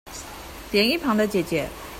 連一旁的姊姊